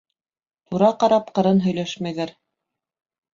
Тура ҡарап ҡырын һөйләшмәйҙәр.